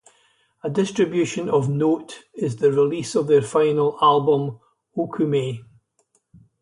A distribution of note is the release of their final album, “Okumay”.